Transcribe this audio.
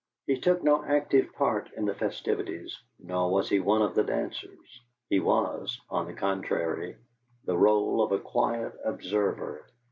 He took no active part in the festivities, nor was he one of the dancers: his was, on the contrary, the role of a quiet observer.